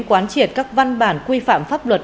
quán triển các văn bản quy phạm pháp luật